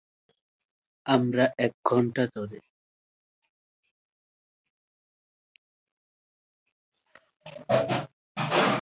আমরা এক ঘন্টা ধরে